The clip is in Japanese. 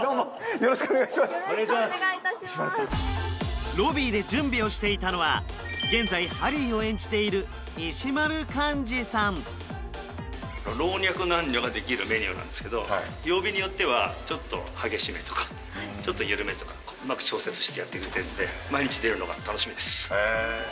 よろしくお願いいたしますロビーで準備をしていたのは現在ハリーを演じている石丸幹二さん老若男女ができるメニューなんですけど曜日によってはちょっと激しめとかちょっとゆるめとかうまく調節してやってみてって毎日出るのが楽しみですへえ